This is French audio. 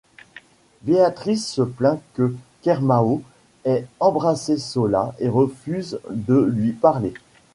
Béatrice se plaint que Kermao ait embrassé Sola et refuse de lui parler.